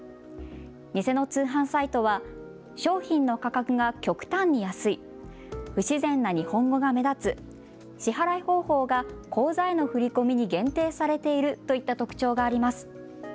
偽の通販サイトは商品の価格が極端に安い、不自然な日本語が目立つ、支払い方法が口座への振り込みに限定されているといった特徴があります。